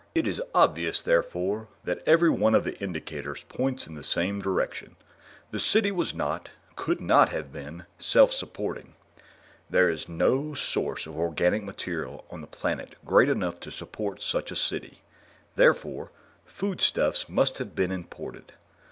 "It is obvious, therefore, that every one of the indicators points in the same direction. The City was not could not have been self supporting. There is no source of organic material on the planet great enough to support such a city; therefore, foodstuffs must have been imported.